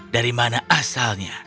dari mana asalnya